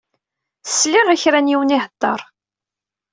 Sliɣ i kra n yiwen iheddeṛ.